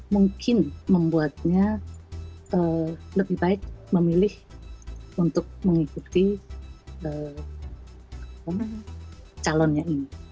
mungkin membuatnya lebih baik memilih untuk mengikuti calonnya ini